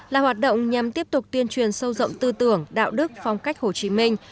là hoạt động nhằm tiếp tục tuyên truyền sâu rộng tư tưởng đạo đức phong cách hồ chí minh